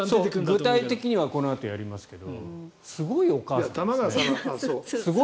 具体的にはこのあとやりますけどすごいお母さんですね。